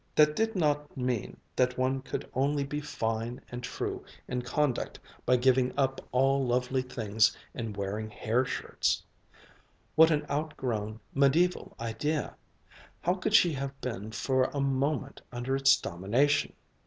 That did not mean that one could only be fine and true in conduct by giving up all lovely things and wearing hair shirts. What an outgrown, mediaeval idea! How could she have been for a moment under its domination!